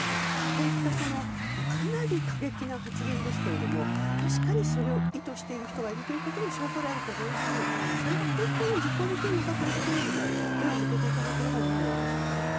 こういったかなり過激な発言ですが確かに、それを意図している人がいるということの証拠であると同時にそれが本当に実行できるのかというところにも目を向けていかなければならないでしょうね。